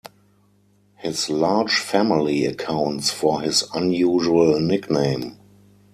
His large family accounts for his unusual nickname.